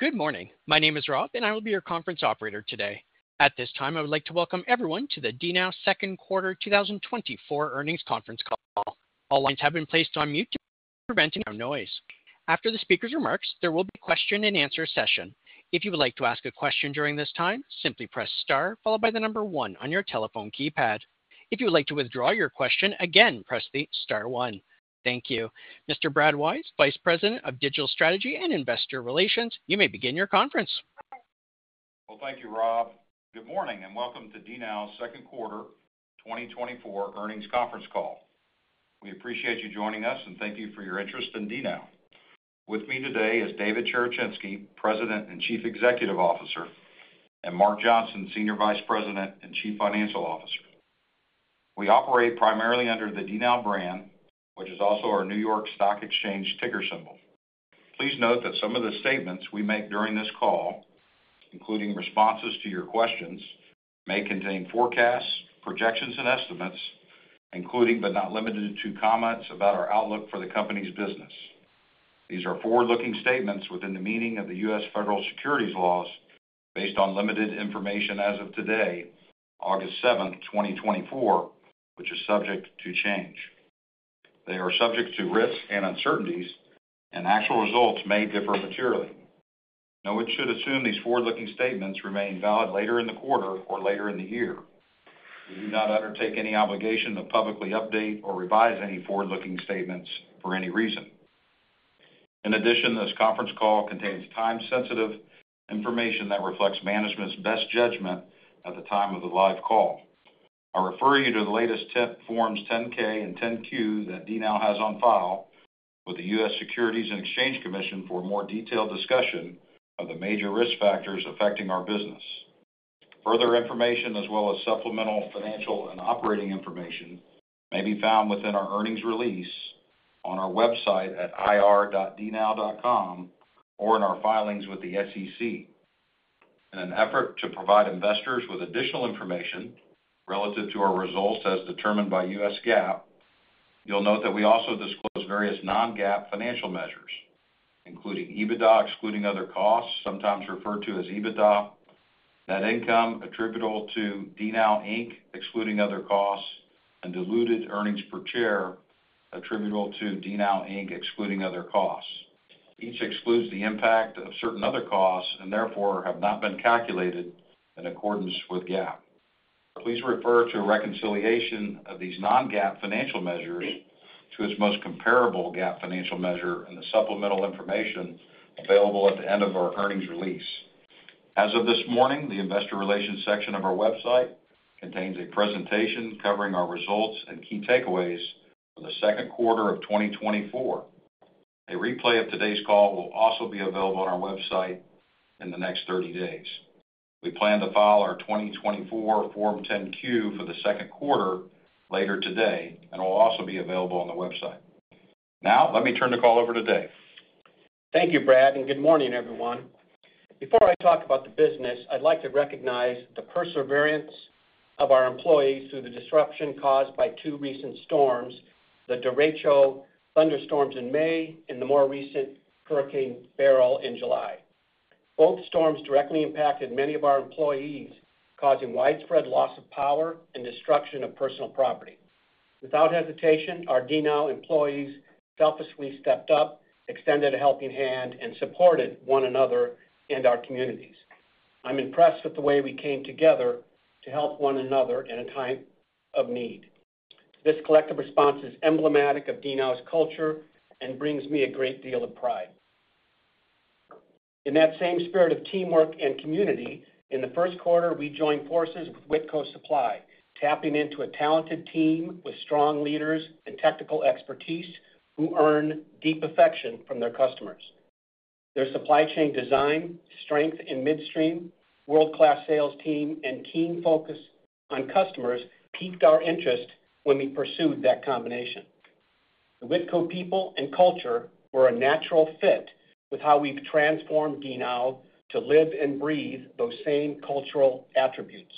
Good morning. My name is Rob, and I will be your conference operator today. At this time, I would like to welcome everyone to the DNOW Second Quarter 2024 Earnings Conference Call. All lines have been placed on mute to prevent any background noise. After the speaker's remarks, there will be a question-and-answer session. If you would like to ask a question during this time, simply press star, followed by the number one on your telephone keypad. If you would like to withdraw your question again, press the star one. Thank you. Mr. Brad Wise, Vice President of Digital Strategy and Investor Relations, you may begin your conference. Well, thank you, Rob. Good morning, and welcome to DNOW's second quarter 2024 earnings conference call. We appreciate you joining us, and thank you for your interest in DNOW. With me today is David Cherechinsky, President and Chief Executive Officer, and Mark Johnson, Senior Vice President and Chief Financial Officer. We operate primarily under the DNOW brand, which is also our New York Stock Exchange ticker symbol. Please note that some of the statements we make during this call, including responses to your questions, may contain forecasts, projections, and estimates, including but not limited to comments about our outlook for the company's business. These are forward-looking statements within the meaning of the U.S. Federal Securities laws based on limited information as of today, August 7, 2024, which is subject to change. They are subject to risks and uncertainties, and actual results may differ materially. No one should assume these forward-looking statements remain valid later in the quarter or later in the year. We do not undertake any obligation to publicly update or revise any forward-looking statements for any reason. In addition, this conference call contains time-sensitive information that reflects management's best judgment at the time of the live call. I refer you to the latest Forms, 10-K and 10-Q, that DNOW has on file with the U.S. Securities and Exchange Commission for a more detailed discussion of the major risk factors affecting our business. Further information, as well as supplemental financial and operating information, may be found within our earnings release on our website at ir.dnow.com or in our filings with the SEC. In an effort to provide investors with additional information relative to our results as determined by U.S. GAAP, you'll note that we also disclose various non-GAAP financial measures, including EBITDA, excluding other costs, sometimes referred to as EBITDA, net income attributable to DNOW Inc, excluding other costs, and diluted earnings per share attributable to DNOW Inc, excluding other costs. Each excludes the impact of certain other costs and therefore have not been calculated in accordance with GAAP. Please refer to a reconciliation of these non-GAAP financial measures to its most comparable GAAP financial measure and the supplemental information available at the end of our earnings release. As of this morning, the investor relations section of our website contains a presentation covering our results and key takeaways for the second quarter of 2024. A replay of today's call will also be available on our website in the next 30 days. We plan to file our 2024 Form 10-Q for the second quarter later today and will also be available on the website. Now, let me turn the call over to Dave. Thank you, Brad, and good morning, everyone. Before I talk about the business, I'd like to recognize the perseverance of our employees through the disruption caused by two recent storms, the Derecho thunderstorms in May and the more recent Hurricane Beryl in July. Both storms directly impacted many of our employees, causing widespread loss of power and destruction of personal property. Without hesitation, our DNOW employees selflessly stepped up, extended a helping hand, and supported one another and our communities. I'm impressed with the way we came together to help one another in a time of need. This collective response is emblematic of DNOW's culture and brings me a great deal of pride. In that same spirit of teamwork and community, in the first quarter, we joined forces with Whitco Supply, tapping into a talented team with strong leaders and technical expertise who earn deep affection from their customers. Their supply chain design, strength in midstream, world-class sales team, and keen focus on customers piqued our interest when we pursued that combination. The Whitco people and culture were a natural fit with how we've transformed DNOW to live and breathe those same cultural attributes.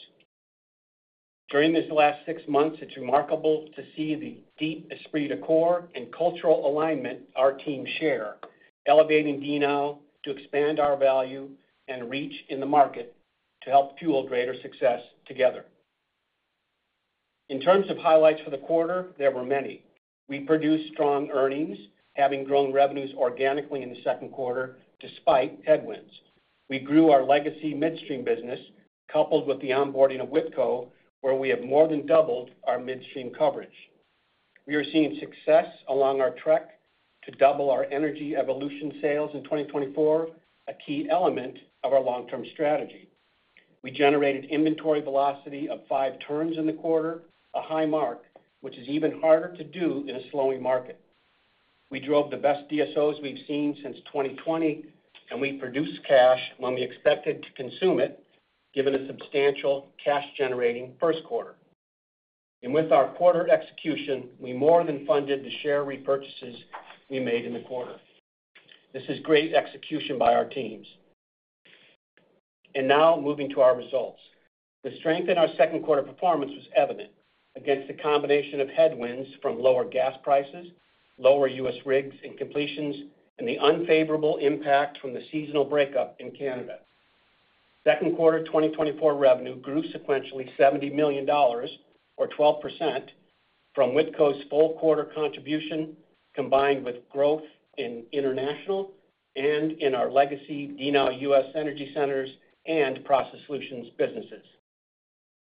During this last six months, it's remarkable to see the deep esprit de corps and cultural alignment our teams share, elevating DNOW to expand our value and reach in the market to help fuel greater success together. In terms of highlights for the quarter, there were many. We produced strong earnings, having grown revenues organically in the second quarter despite headwinds. We grew our legacy midstream business, coupled with the onboarding of Whitco, where we have more than doubled our midstream coverage. We are seeing success along our trek to double our Energy Evolution sales in 2024, a key element of our long-term strategy. We generated inventory velocity of five turns in the quarter, a high mark, which is even harder to do in a slowing market. We drove the best DSOs we've seen since 2020, and we produced cash when we expected to consume it, given a substantial cash-generating first quarter. With our quarter execution, we more than funded the share repurchases we made in the quarter. This is great execution by our teams. Now moving to our results. The strength in our second quarter performance was evident against a combination of headwinds from lower gas prices, lower U.S. rigs and completions, and the unfavorable impact from the seasonal breakup in Canada. Second quarter 2024 revenue grew sequentially $70 million, or 12%, from Whitco's full quarter contribution, combined with growth in international and in our legacy DNOW U.S. Energy Centers and Process Solutions businesses.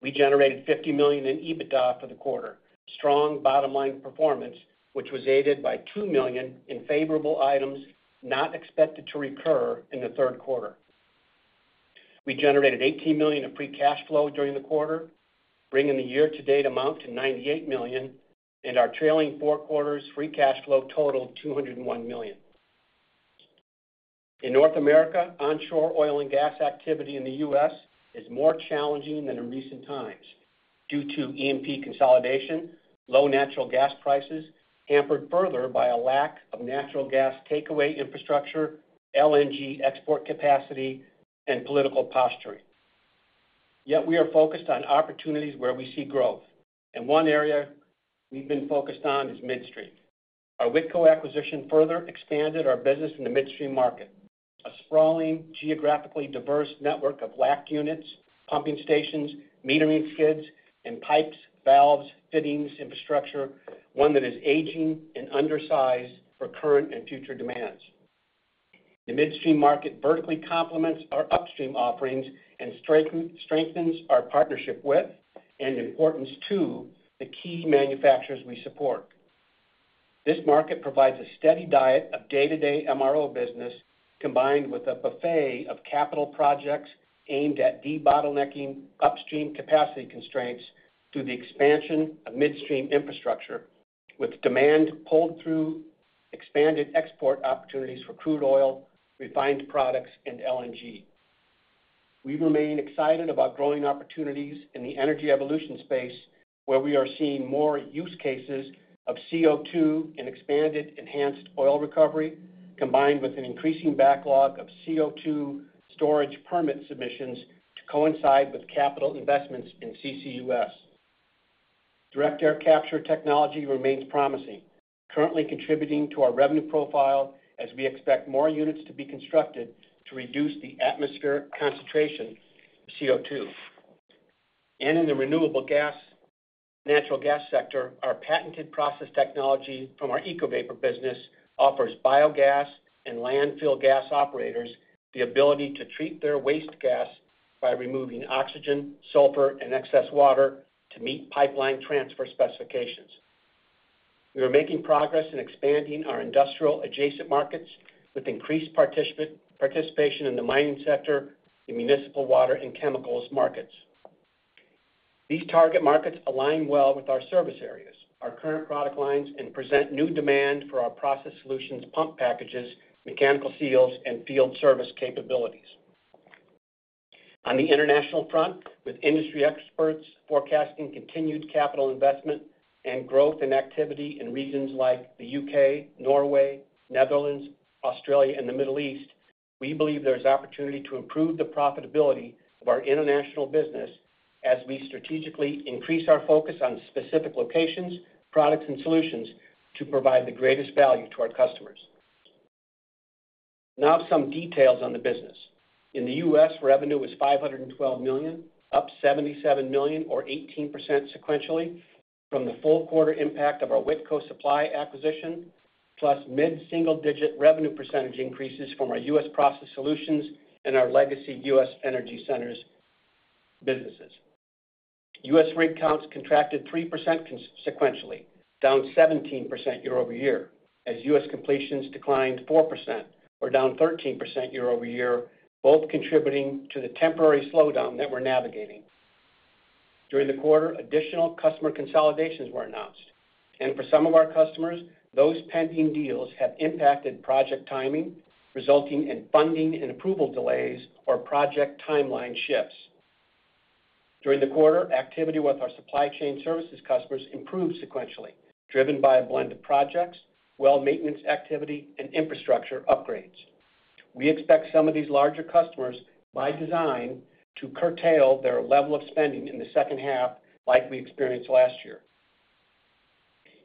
We generated $50 million in EBITDA for the quarter, strong bottom line performance, which was aided by $2 million in favorable items not expected to recur in the third quarter. We generated $18 million of free cash flow during the quarter, bringing the year-to-date amount to $98 million, and our trailing four quarters free cash flow totaled $201 million. In North America, onshore oil and gas activity in the U.S. is more challenging than in recent times due to E&P consolidation, low natural gas prices, hampered further by a lack of natural gas takeaway infrastructure, LNG export capacity, and political posturing. Yet we are focused on opportunities where we see growth, and one area we've been focused on is midstream. Our Whitco acquisition further expanded our business in the midstream market, a sprawling, geographically diverse network of LACT units, pumping stations, metering skids, and pipes, valves, fittings, infrastructure, one that is aging and undersized for current and future demands. The midstream market vertically complements our upstream offerings and strengthens our partnership with and importance to the key manufacturers we support. This market provides a steady diet of day-to-day MRO business, combined with a buffet of capital projects aimed at debottlenecking upstream capacity constraints through the expansion of midstream infrastructure, with demand pulled through expanded export opportunities for crude oil, refined products, and LNG. We remain excited about growing opportunities in the Energy Evolution space, where we are seeing more use cases of CO2 and expanded enhanced oil recovery, combined with an increasing backlog of CO2 storage permit submissions to coincide with capital investments in CCUS. Direct Air Capture technology remains promising, currently contributing to our revenue profile as we expect more units to be constructed to reduce the atmospheric concentration of CO2. And in the renewable gas, natural gas sector, our patented process technology from our EcoVapor business offers biogas and landfill gas operators the ability to treat their waste gas by removing oxygen, sulfur, and excess water to meet pipeline transfer specifications. We are making progress in expanding our industrial adjacent markets with increased participation in the mining sector, in municipal water, and chemicals markets. These target markets align well with our service areas, our current product lines, and present new demand for our process solutions, pump packages, mechanical seals, and field service capabilities. On the international front, with industry experts forecasting continued capital investment and growth in activity in regions like the U.K., Norway, Netherlands, Australia, and the Middle East, we believe there's opportunity to improve the profitability of our international business as we strategically increase our focus on specific locations, products, and solutions to provide the greatest value to our customers. Now, some details on the business. In the U.S., revenue was $512 million, up $77 million or 18% sequentially from the full quarter impact of our Whitco Supply acquisition, plus mid-single-digit revenue percentage increases from our U.S. Process Solutions and our legacy U.S. Energy Centers businesses. U.S. rig counts contracted 3% sequentially, down 17% year-over-year, as U.S. completions declined 4% or down 13% year-over-year, both contributing to the temporary slowdown that we're navigating. During the quarter, additional customer consolidations were announced, and for some of our customers, those pending deals have impacted project timing, resulting in funding and approval delays or project timeline shifts. During the quarter, activity with our supply chain services customers improved sequentially, driven by a blend of projects, well maintenance activity and infrastructure upgrades. We expect some of these larger customers, by design, to curtail their level of spending in the second half like we experienced last year.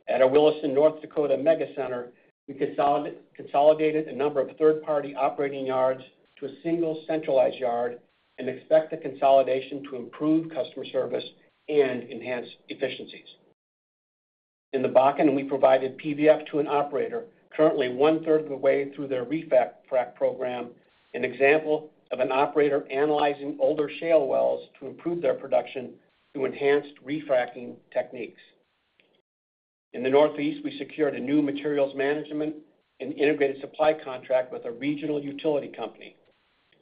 At our Williston, North Dakota, mega center, we consolidated a number of third-party operating yards to a single centralized yard and expect the consolidation to improve customer service and enhance efficiencies. In the Bakken, we provided PVF to an operator, currently one-third of the way through their refrac program, an example of an operator analyzing older shale wells to improve their production through enhanced refracking techniques. In the Northeast, we secured a new materials management and integrated supply contract with a regional utility company,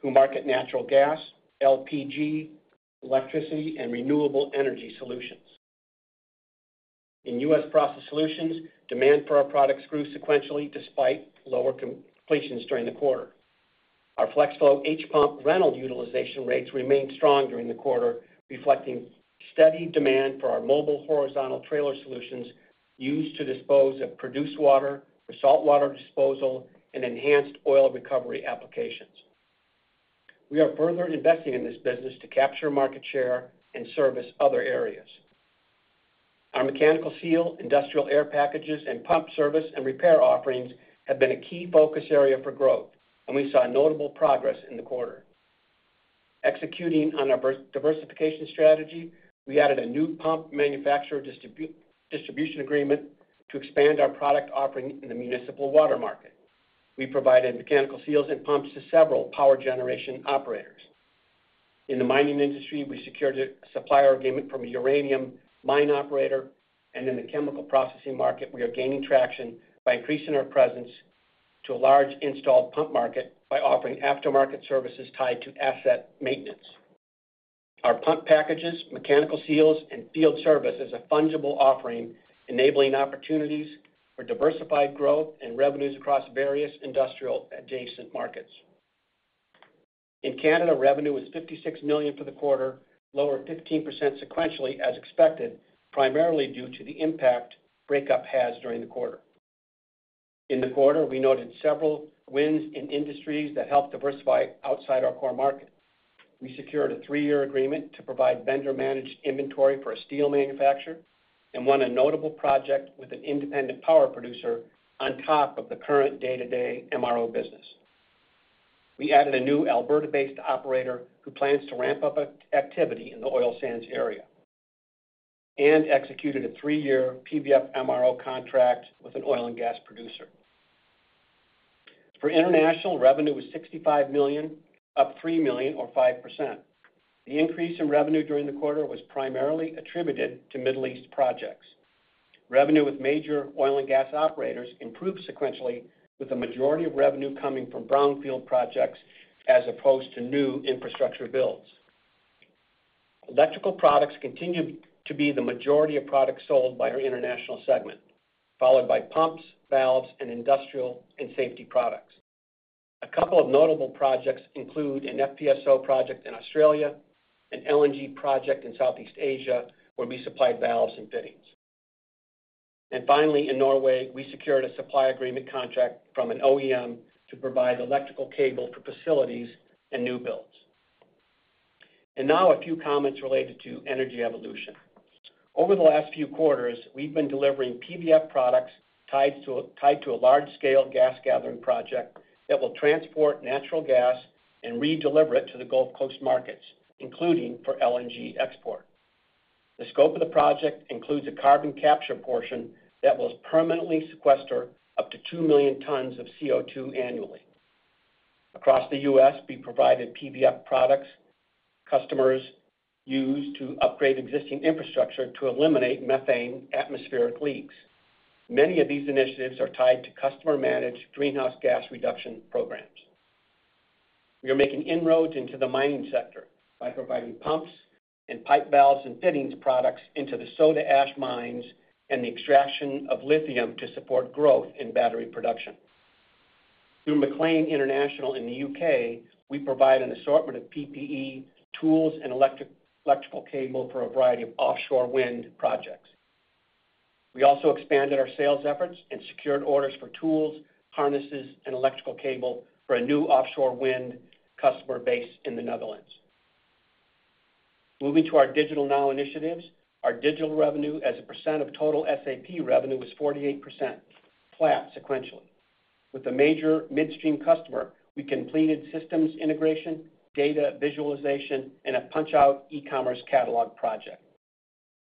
who market natural gas, LPG, electricity, and renewable energy solutions. In U.S. Process Solutions, demand for our products grew sequentially despite lower completions during the quarter. Our Flex Flow H-Pump rental utilization rates remained strong during the quarter, reflecting steady demand for our mobile horizontal trailer solutions used to dispose of produced water for saltwater disposal and enhanced oil recovery applications. We are further investing in this business to capture market share and service other areas. Our mechanical seal, industrial air packages, and pump service and repair offerings have been a key focus area for growth, and we saw notable progress in the quarter. Executing on our diversification strategy, we added a new pump manufacturer distribution agreement to expand our product offering in the municipal water market. We provided mechanical seals and pumps to several power generation operators. In the mining industry, we secured a supplier agreement from a uranium mine operator, and in the chemical processing market, we are gaining traction by increasing our presence to a large installed pump market by offering aftermarket services tied to asset maintenance. Our pump packages, mechanical seals, and field service is a fungible offering, enabling opportunities for diversified growth and revenues across various industrial adjacent markets. In Canada, revenue was $56 million for the quarter, lower 15% sequentially as expected, primarily due to the impact breakup has during the quarter. In the quarter, we noted several wins in industries that helped diversify outside our core market. We secured a three-year agreement to provide vendor-managed inventory for a steel manufacturer and won a notable project with an independent power producer on top of the current day-to-day MRO business. We added a new Alberta-based operator who plans to ramp up activity in the oil sands area and executed a 3-year PVF MRO contract with an oil and gas producer. For international, revenue was $65 million, up $3 million or 5%. The increase in revenue during the quarter was primarily attributed to Middle East projects. Revenue with major oil and gas operators improved sequentially, with the majority of revenue coming from brownfield projects as opposed to new infrastructure builds. Electrical products continue to be the majority of products sold by our international segment, followed by pumps, valves, and industrial and safety products. A couple of notable projects include an FPSO project in Australia, an LNG project in Southeast Asia, where we supplied valves and fittings. And finally, in Norway, we secured a supply agreement contract from an OEM to provide electrical cable for facilities and new builds. And now, a few comments related to Energy Evolution. Over the last few quarters, we've been delivering PVF products tied to a large-scale gas gathering project that will transport natural gas and redeliver it to the Gulf Coast markets, including for LNG export. The scope of the project includes a carbon capture portion that will permanently sequester up to 2 million tons of CO2 annually. Across the U.S., we provided PVF products customers use to upgrade existing infrastructure to eliminate methane atmospheric leaks. Many of these initiatives are tied to customer-managed greenhouse gas reduction programs. We are making inroads into the mining sector by providing pumps and pipe valves and fittings products into the soda ash mines and the extraction of lithium to support growth in battery production. Through MacLean International in the U.K., we provide an assortment of PPE, tools, and electrical cable for a variety of offshore wind projects. We also expanded our sales efforts and secured orders for tools, harnesses, and electrical cable for a new offshore wind customer base in the Netherlands. Moving to our DigitalNOW initiatives, our digital revenue as a percent of total SAP revenue was 48%, flat sequentially. With a major midstream customer, we completed systems integration, data visualization, and a punch-out e-commerce catalog project.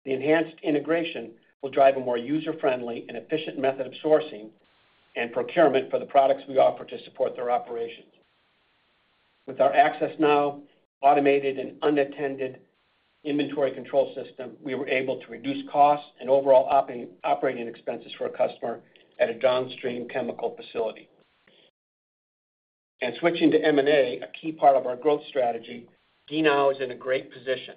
The enhanced integration will drive a more user-friendly and efficient method of sourcing and procurement for the products we offer to support their operations. With our AccessNOW automated and unattended inventory control system, we were able to reduce costs and overall operating expenses for a customer at a downstream chemical facility. Switching to M&A, a key part of our growth strategy, DNOW is in a great position.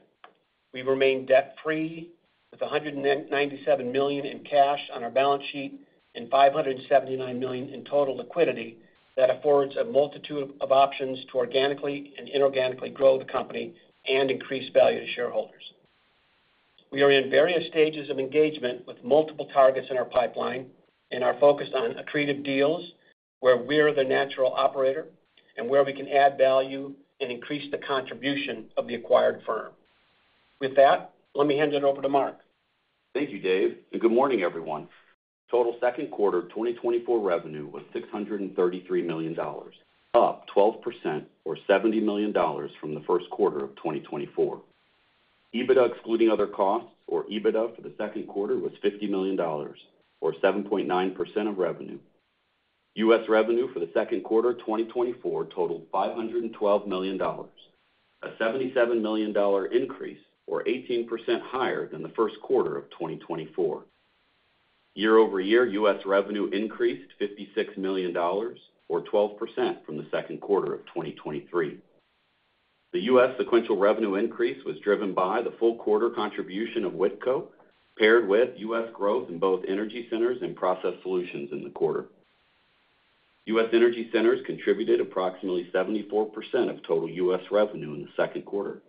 We remain debt-free with $197 million in cash on our balance sheet and $579 million in total liquidity. That affords a multitude of options to organically and inorganically grow the company and increase value to shareholders. We are in various stages of engagement with multiple targets in our pipeline and are focused on accretive deals where we are the natural operator and where we can add value and increase the contribution of the acquired firm. With that, let me hand it over to Mark. Thank you, Dave, and good morning, everyone. Total second quarter 2024 revenue was $633 million, up 12% or $70 million from the first quarter of 2024. EBITDA, excluding other costs, or EBITDA for the second quarter, was $50 million, or 7.9% of revenue. U.S. revenue for the second quarter 2024 totaled $512 million, a $77 million increase or 18% higher than the first quarter of 2024. Year-over-year, U.S. revenue increased $56 million or 12% from the second quarter of 2023. The U.S. sequential revenue increase was driven by the full quarter contribution of Whitco, paired with U.S. growth in both energy centers and process solutions in the quarter.... U.S. Energy Centers contributed approximately 74% of total U.S. revenue in the second quarter,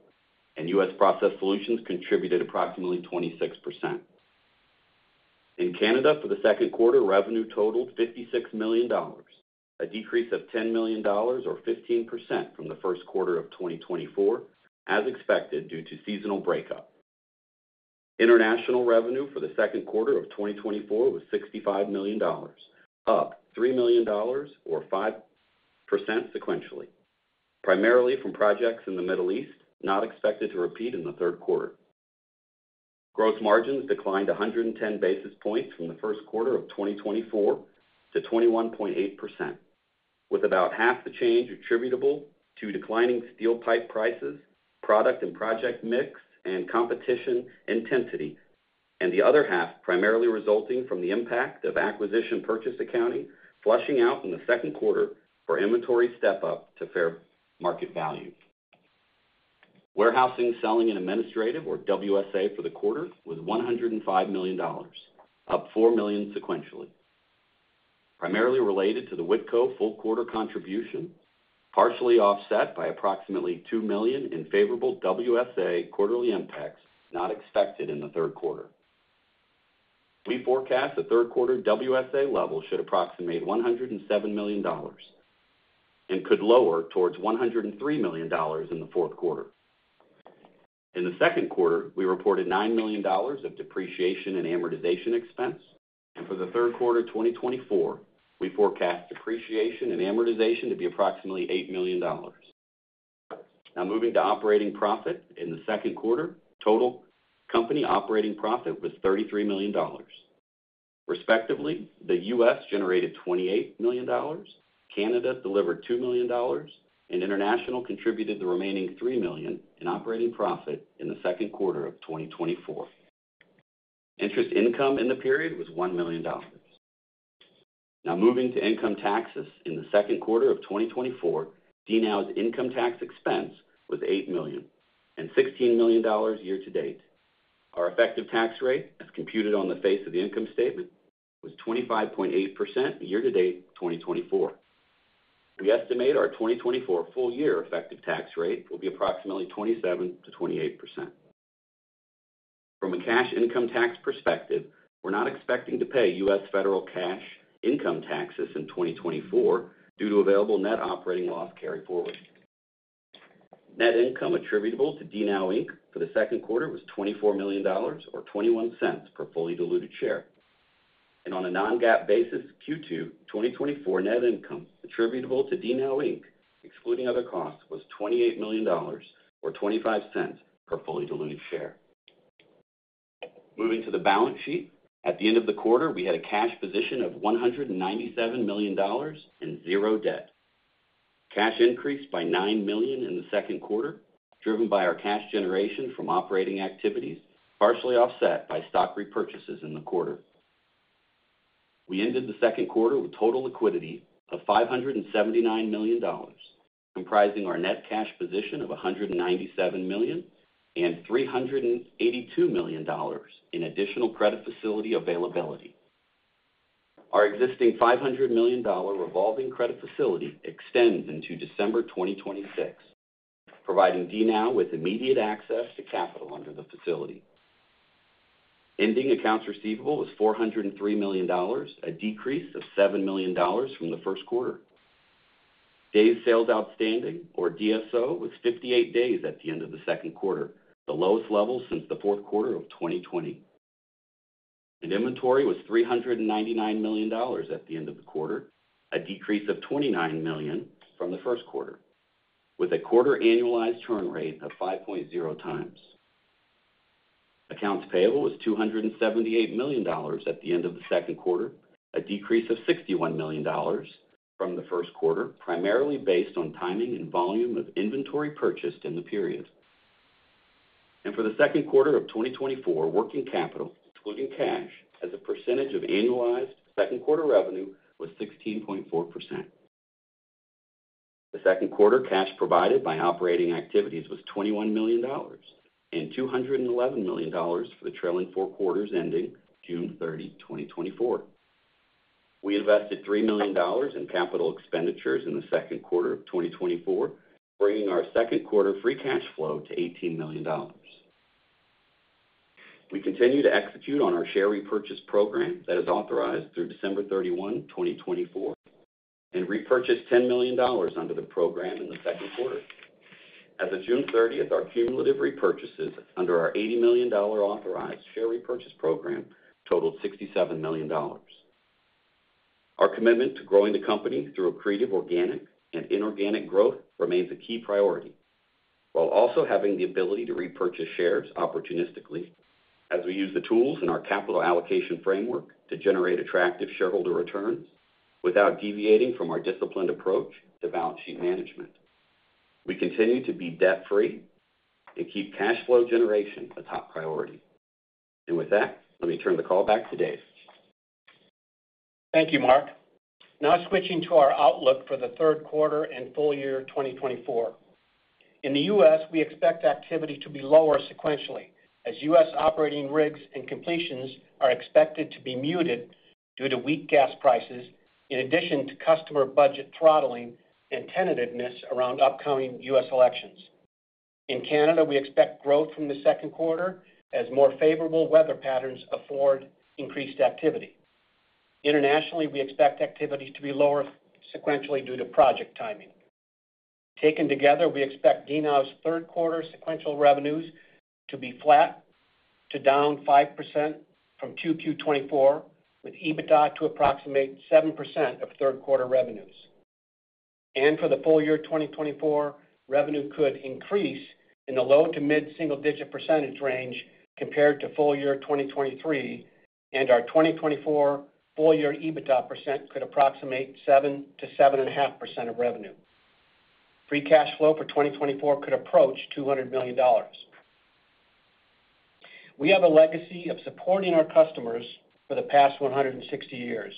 and U.S. Process Solutions contributed approximately 26%. In Canada, for the second quarter, revenue totaled $56 million, a decrease of $10 million or 15% from the first quarter of 2024, as expected, due to seasonal breakup. International revenue for the second quarter of 2024 was $65 million, up $3 million or 5% sequentially, primarily from projects in the Middle East, not expected to repeat in the third quarter. Gross margins declined 110 basis points from the first quarter of 2024 to 21.8%, with about half the change attributable to declining steel pipe prices, product and project mix, and competition intensity, and the other half primarily resulting from the impact of acquisition purchase accounting, flushing out in the second quarter for inventory step up to fair market value. Warehousing, selling, and administrative, or WSA, for the quarter was $105 million, up $4 million sequentially, primarily related to the Whitco full quarter contribution, partially offset by approximately $2 million in favorable WSA quarterly impacts, not expected in the third quarter. We forecast the third quarter WSA level should approximate $107 million and could lower towards $103 million in the fourth quarter. In the second quarter, we reported $9 million of depreciation and amortization expense, and for the third quarter of 2024, we forecast depreciation and amortization to be approximately $8 million. Now moving to operating profit. In the second quarter, total company operating profit was $33 million. Respectively, the U.S. generated $28 million, Canada delivered $2 million, and International contributed the remaining $3 million in operating profit in the second quarter of 2024. Interest income in the period was $1 million. Now moving to income taxes. In the second quarter of 2024, DNOW's income tax expense was $8 million and $16 million year-to-date. Our effective tax rate, as computed on the face of the income statement, was 25.8% year-to-date, 2024. We estimate our 2024 full year effective tax rate will be approximately 27%-28%. From a cash income tax perspective, we're not expecting to pay U.S. federal cash income taxes in 2024 due to available net operating loss carryforward. Net income attributable to DNOW Inc. for the second quarter was $24 million or $0.21 per fully diluted share. On a non-GAAP basis, Q2 2024 net income attributable to DNOW Inc., excluding other costs, was $28 million or $0.25 per fully diluted share. Moving to the balance sheet. At the end of the quarter, we had a cash position of $197 million and 0 debt. Cash increased by $9 million in the second quarter, driven by our cash generation from operating activities, partially offset by stock repurchases in the quarter. We ended the second quarter with total liquidity of $579 million, comprising our net cash position of $197 million and $382 million in additional credit facility availability. Our existing $500 million revolving credit facility extends into December 2026, providing DNOW with immediate access to capital under the facility. Ending accounts receivable was $403 million, a decrease of $7 million from the first quarter. Days sales outstanding, or DSO, was 58 days at the end of the second quarter, the lowest level since the fourth quarter of 2020. Inventory was $399 million at the end of the quarter, a decrease of $29 million from the first quarter, with a quarter annualized turn rate of 5.0 times. Accounts payable was $278 million at the end of the second quarter, a decrease of $61 million from the first quarter, primarily based on timing and volume of inventory purchased in the period. For the second quarter of 2024, working capital, excluding cash, as a percentage of annualized second quarter revenue, was 16.4%. The second quarter cash provided by operating activities was $21 million and $211 million for the trailing four quarters ending June 30, 2024. We invested $3 million in capital expenditures in the second quarter of 2024, bringing our second quarter free cash flow to $18 million. We continue to execute on our share repurchase program that is authorized through December 31, 2024, and repurchased $10 million under the program in the second quarter. As of June 30th, our cumulative repurchases under our $80 million authorized share repurchase program totaled $67 million. Our commitment to growing the company through accretive, organic, and inorganic growth remains a key priority, while also having the ability to repurchase shares opportunistically as we use the tools in our capital allocation framework to generate attractive shareholder returns without deviating from our disciplined approach to balance sheet management. We continue to be debt-free and keep cash flow generation a top priority. With that, let me turn the call back to Dave. Thank you, Mark. Now switching to our outlook for the third quarter and full year 2024. In the U.S., we expect activity to be lower sequentially, as U.S. operating rigs and completions are expected to be muted due to weak gas prices, in addition to customer budget throttling and tentativeness around upcoming U.S. elections. In Canada, we expect growth from the second quarter as more favorable weather patterns afford increased activity. Internationally, we expect activity to be lower sequentially due to project timing. Taken together, we expect DNOW's third quarter sequential revenues to be flat to down 5% from 2Q 2024, with EBITDA to approximate 7% of third quarter revenues. For the full year 2024, revenue could increase in the low- to mid-single-digit percentage range compared to full year 2023, and our 2024 full year EBITDA percent could approximate 7%-7.5% of revenue. Free cash flow for 2024 could approach $200 million. We have a legacy of supporting our customers for the past 160 years,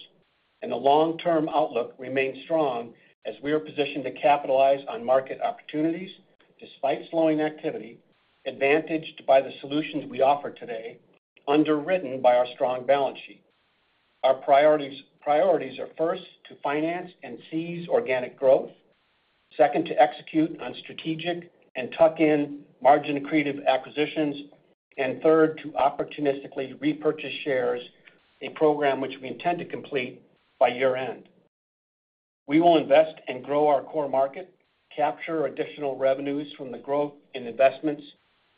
and the long-term outlook remains strong as we are positioned to capitalize on market opportunities despite slowing activity, advantaged by the solutions we offer today, underwritten by our strong balance sheet. Our priorities are, first, to finance and seize organic growth, second, to execute on strategic and tuck-in margin-accretive acquisitions, and third, to opportunistically repurchase shares, a program which we intend to complete by year-end. We will invest and grow our core market, capture additional revenues from the growth in investments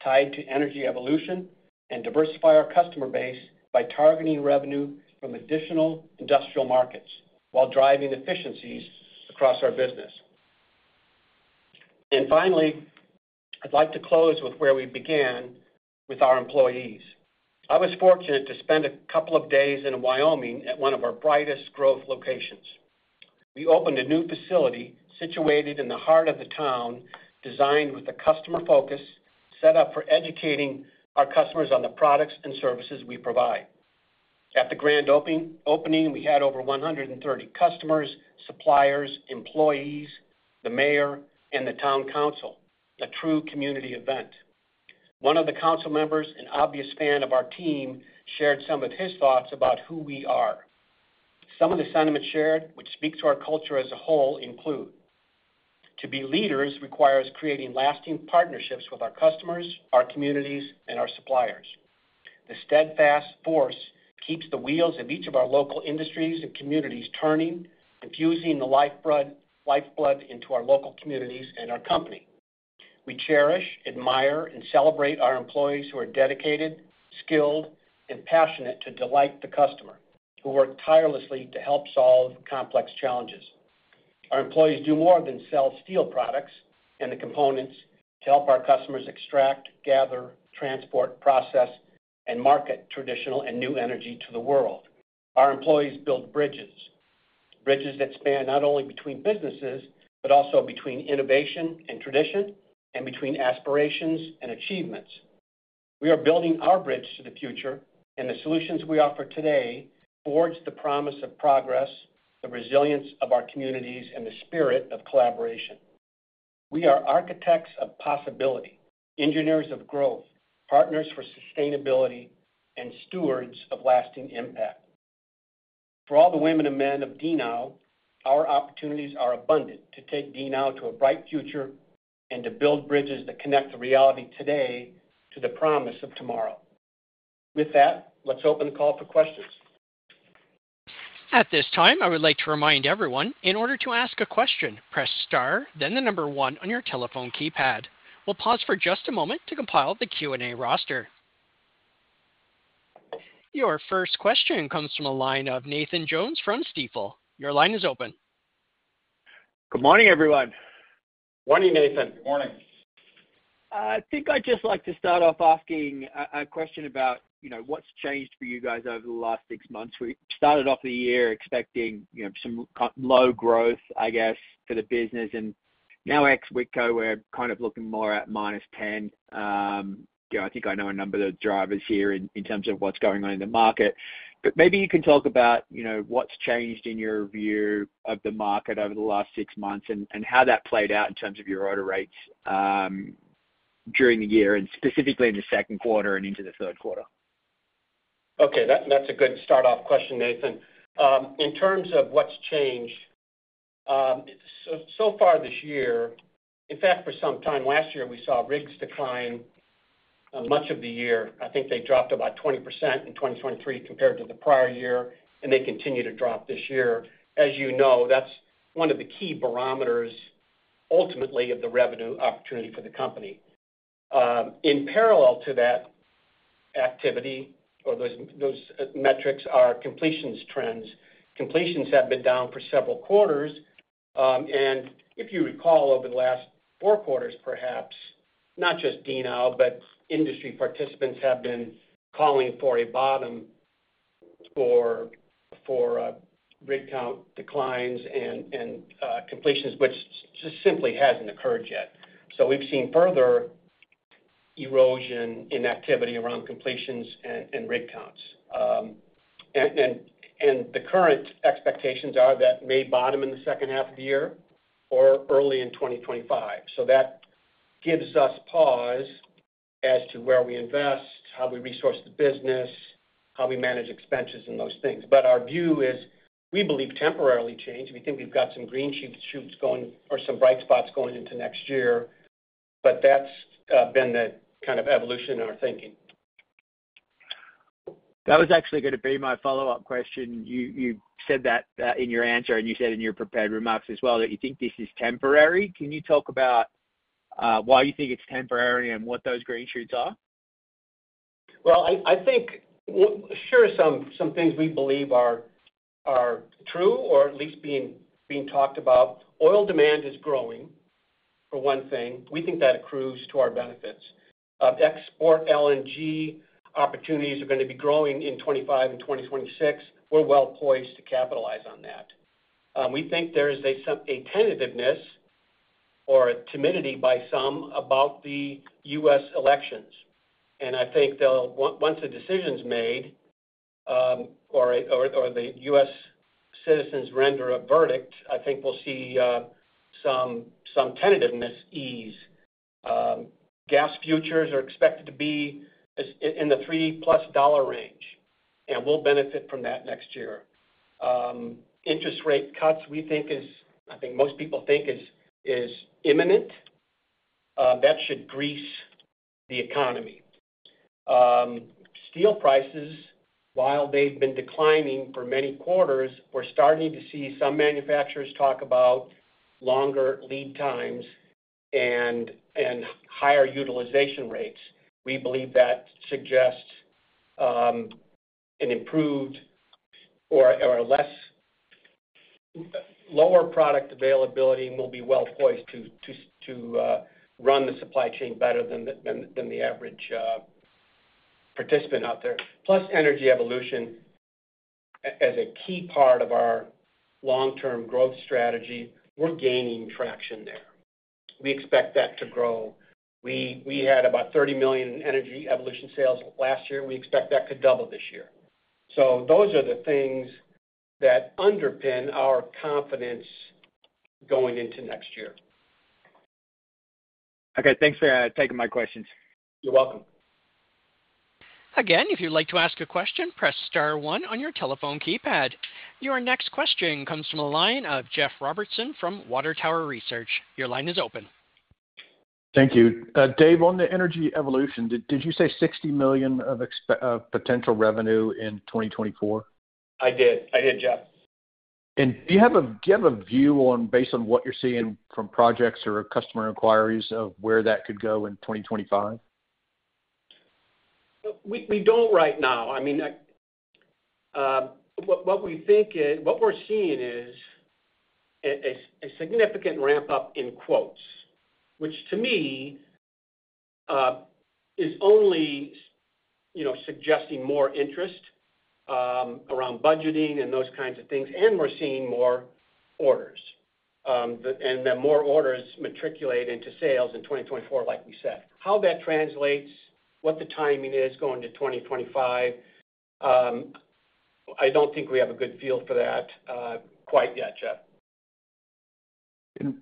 tied to Energy Evolution, and diversify our customer base by targeting revenue from additional industrial markets while driving efficiencies across our business. And finally, I'd like to close with where we began with our employees. I was fortunate to spend a couple of days in Wyoming at one of our brightest growth locations. We opened a new facility situated in the heart of the town, designed with a customer focus, set up for educating our customers on the products and services we provide. At the grand opening, we had over 130 customers, suppliers, employees, the mayor, and the town council, a true community event. One of the council members, an obvious fan of our team, shared some of his thoughts about who we are. Some of the sentiments shared, which speak to our culture as a whole, include: to be leaders requires creating lasting partnerships with our customers, our communities, and our suppliers. The steadfast force keeps the wheels of each of our local industries and communities turning, infusing the lifeblood into our local communities and our company. We cherish, admire, and celebrate our employees who are dedicated, skilled, and passionate to delight the customer, who work tirelessly to help solve complex challenges. Our employees do more than sell steel products and the components to help our customers extract, gather, transport, process, and market traditional and new energy to the world. Our employees build bridges that span not only between businesses, but also between innovation and tradition, and between aspirations and achievements. We are building our bridge to the future, and the solutions we offer today forge the promise of progress, the resilience of our communities, and the spirit of collaboration. We are architects of possibility, engineers of growth, partners for sustainability, and stewards of lasting impact. For all the women and men of DNOW, our opportunities are abundant to take DNOW to a bright future and to build bridges that connect the reality today to the promise of tomorrow. With that, let's open the call for questions. At this time, I would like to remind everyone, in order to ask a question, press star, then the number one on your telephone keypad. We'll pause for just a moment to compile the Q&A roster. Your first question comes from the line of Nathan Jones from Stifel. Your line is open. Good morning, everyone. Morning, Nathan. Good morning. I think I'd just like to start off asking a question about, you know, what's changed for you guys over the last six months. We started off the year expecting, you know, some low growth, I guess, for the business, and now ex Whitco, we're kind of looking more at -10. You know, I think I know a number of the drivers here in terms of what's going on in the market. But maybe you can talk about, you know, what's changed in your view of the market over the last six months and how that played out in terms of your order rates during the year, and specifically in the second quarter and into the third quarter. Okay, that, that's a good start-off question, Nathan. In terms of what's changed, so far this year, in fact, for some time last year, we saw rigs decline much of the year. I think they dropped about 20% in 2023 compared to the prior year, and they continue to drop this year. As you know, that's one of the key barometers, ultimately, of the revenue opportunity for the company. In parallel to that activity or those metrics are completions trends. Completions have been down for several quarters, and if you recall, over the last four quarters, perhaps, not just DNOW, but industry participants have been calling for a bottom for rig count declines and completions, which just simply hasn't occurred yet. So we've seen further erosion in activity around completions and rig counts. The current expectations are that may bottom in the second half of the year or early in 2025. So that gives us pause as to where we invest, how we resource the business, how we manage expenses, and those things. But our view is, we believe, temporarily changed. We think we've got some green shoots going or some bright spots going into next year, but that's been the kind of evolution in our thinking. That was actually gonna be my follow-up question. You, you said that, in your answer, and you said in your prepared remarks as well, that you think this is temporary. Can you talk about, why you think it's temporary and what those green shoots are? Well, I think we're sure some things we believe are true or at least being talked about. Oil demand is growing, for one thing. We think that accrues to our benefits. Export LNG opportunities are gonna be growing in 2025 and 2026. We're well poised to capitalize on that. We think there's a tentativeness or a timidity by some about the U.S. elections, and I think that once a decision's made, or the U.S. citizens render a verdict, I think we'll see some tentativeness ease. Gas futures are expected to be as in the $3+ range, and we'll benefit from that next year. Interest rate cuts, we think is imminent. I think most people think is imminent. That should grease the economy. Steel prices, while they've been declining for many quarters, we're starting to see some manufacturers talk about longer lead times and higher utilization rates. We believe that suggests an improved or lower product availability, and we'll be well poised to run the supply chain better than the average participant out there. Plus, Energy Evolution, as a key part of our long-term growth strategy, we're gaining traction there. We expect that to grow. We had about $30 million in Energy Evolution sales last year. We expect that to double this year. So those are the things that underpin our confidence going into next year. Okay, thanks for taking my questions. You're welcome. Again, if you'd like to ask a question, press star one on your telephone keypad. Your next question comes from the line of Jeff Robertson from Water Tower Research. Your line is open. Thank you. Dave, on the Energy Evolution, did you say $60 million of potential revenue in 2024? I did. I did, Jeff. Do you have a view on, based on what you're seeing from projects or customer inquiries, of where that could go in 2025? We don't right now. I mean, what we think is—what we're seeing is a significant ramp-up in quotes, which to me is only, you know, suggesting more interest around budgeting and those kinds of things, and we're seeing more orders. And the more orders matriculate into sales in 2024, like we said. How that translates, what the timing is going to 2025, I don't think we have a good feel for that, quite yet, Jeff.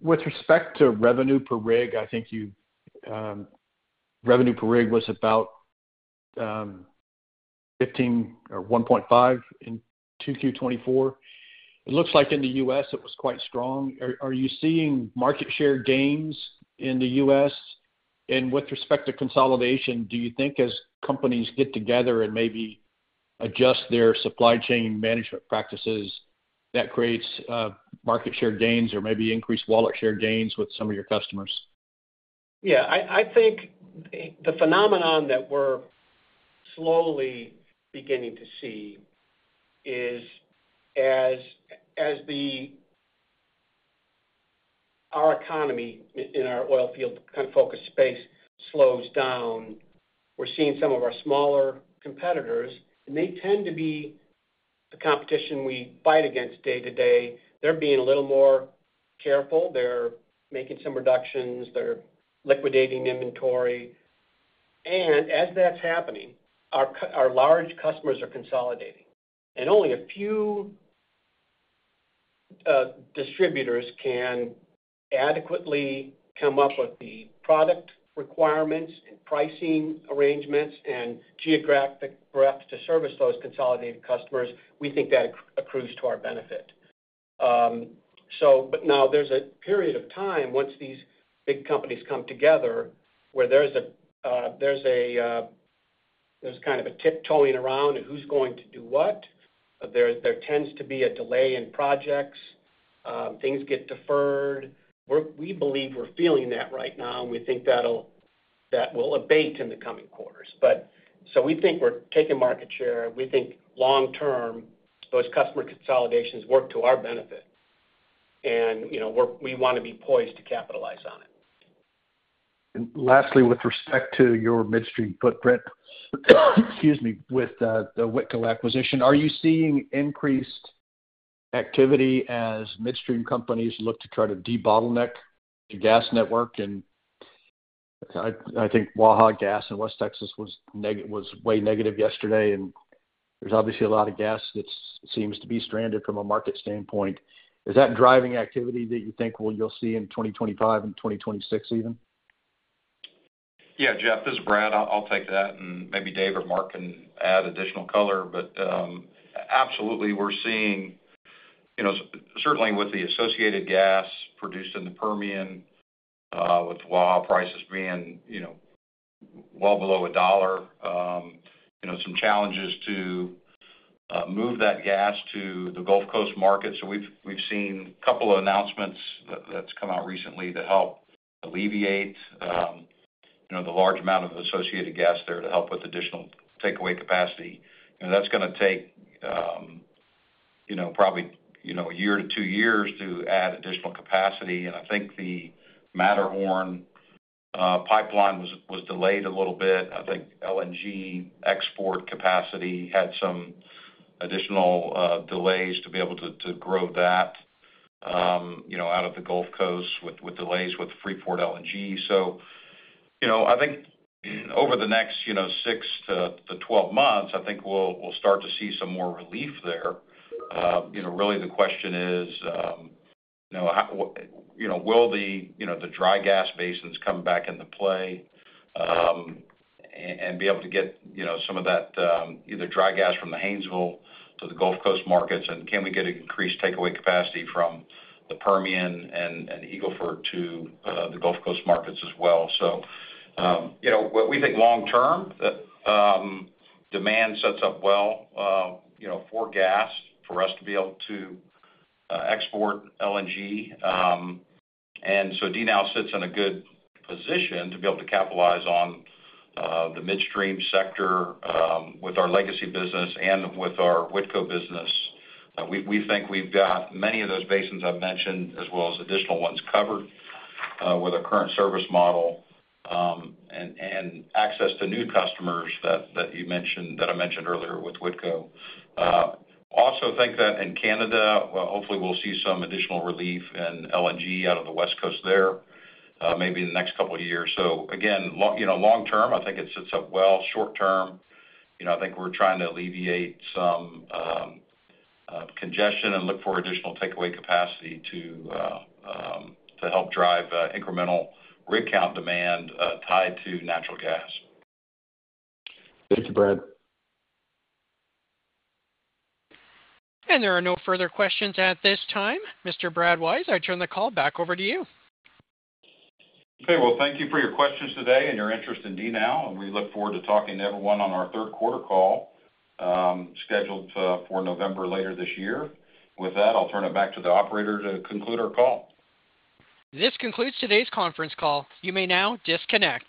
With respect to revenue per rig, I think you, revenue per rig was about 15 or 1.5 in 2Q 2024. It looks like in the U.S., it was quite strong. Are you seeing market share gains in the U.S.? And with respect to consolidation, do you think as companies get together and maybe adjust their supply chain management practices, that creates market share gains or maybe increased wallet share gains with some of your customers? Yeah, I think the phenomenon that we're slowly beginning to see is as our economy in our oil field kind of focused space slows down, we're seeing some of our smaller competitors, and they tend to be the competition we fight against day-to-day. They're being a little more careful. They're making some reductions. They're liquidating inventory. And as that's happening, our large customers are consolidating, and only a few distributors can adequately come up with the product requirements and pricing arrangements and geographic breadth to service those consolidated customers. We think that accrues to our benefit. So but now there's a period of time, once these big companies come together, where there's kind of a tiptoeing around on who's going to do what. There tends to be a delay in projects, things get deferred. We believe we're feeling that right now, and we think that'll abate in the coming quarters. So we think we're taking market share. We think long term, those customer consolidations work to our benefit, and, you know, we want to be poised to capitalize on it. And lastly, with respect to your midstream footprint, excuse me, with the Whitco acquisition, are you seeing increased activity as midstream companies look to try to debottleneck the gas network, and I think Waha gas in West Texas was way negative yesterday, and there's obviously a lot of gas that seems to be stranded from a market standpoint. Is that driving activity that you think you'll see in 2025 and 2026 even? Yeah, Jeff, this is Brad. I'll take that, and maybe Dave or Mark can add additional color. But absolutely, we're seeing, you know, certainly with the associated gas produced in the Permian, with Waha prices being, you know, well below $1, some challenges to move that gas to the Gulf Coast market. So we've seen a couple of announcements that's come out recently to help alleviate the large amount of associated gas there to help with additional takeaway capacity. You know, that's gonna take probably a year to two years to add additional capacity. And I think the Matterhorn pipeline was delayed a little bit. I think LNG export capacity had some additional delays to be able to, to grow that, you know, out of the Gulf Coast with, with delays with Freeport LNG. So, you know, I think over the next, you know, 6 to 12 months, I think we'll, we'll start to see some more relief there. You know, really the question is, you know, how, you know, will the, you know, the dry gas basins come back into play, and, and be able to get, you know, some of that, either dry gas from the Haynesville to the Gulf Coast markets, and can we get increased takeaway capacity from the Permian and, and Eagle Ford to, the Gulf Coast markets as well? So, you know, what we think long term, demand sets up well, you know, for gas, for us to be able to, export LNG. And so DNOW sits in a good position to be able to capitalize on, the midstream sector, with our legacy business and with our Whitco business. We, we think we've got many of those basins I've mentioned, as well as additional ones covered, with our current service model, and, and access to new customers that, that you mentioned, that I mentioned earlier with Whitco. Also think that in Canada, well, hopefully we'll see some additional relief in LNG out of the West Coast there, maybe in the next couple of years. So again, long, you know, long term, I think it sets up well. Short term, you know, I think we're trying to alleviate some, congestion and look for additional takeaway capacity to, to help drive, incremental rig count demand, tied to natural gas. Thank you, Brad. There are no further questions at this time. Mr. Brad Wise, I turn the call back over to you. Okay, well, thank you for your questions today and your interest in DNOW, and we look forward to talking to everyone on our third quarter call, scheduled for November later this year. With that, I'll turn it back to the operator to conclude our call. This concludes today's conference call. You may now disconnect.